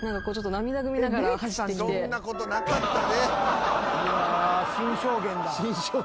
そんなことなかったで。